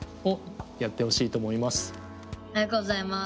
ありがとうございます。